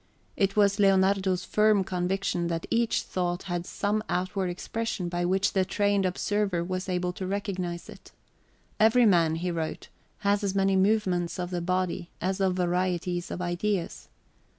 It was Leonardo's firm conviction that each thought had some outward expression by which the trained observer was able to recognize it. Every man, he wrote, has as many movements of the body as of varieties of ideas.